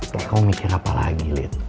ya kamu mikir apa lagi lid